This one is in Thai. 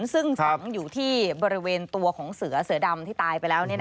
ซึ่งฝังอยู่ที่บริเวณตัวของเสือเสือดำที่ตายไปแล้ว